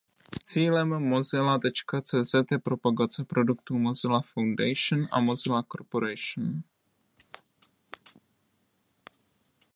Cílem Mozilla.cz je propagace produktů Mozilla Foundation a Mozilla Corporation.